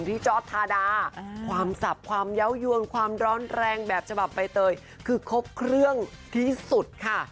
จอร์ดทาดาความสับความเยาวยวนความร้อนแรงแบบฉบับใบเตยคือครบเครื่องที่สุดค่ะ